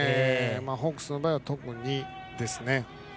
ホークスの場合は特にですね。